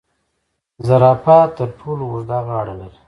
زرافه تر ټولو اوږده غاړه لري